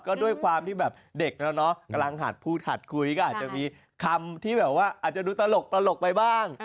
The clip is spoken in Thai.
ก็ด้วยความที่เด็กกำลังหัดพูดหัดคุยก็อาจจะมีคำที่อาจจะดูตลกไปบ้าง